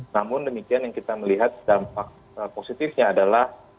namun demikian yang kita melihat dampak positifnya adalah